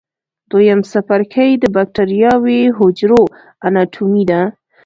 دویم څپرکی د بکټریاوي حجرو اناټومي ده.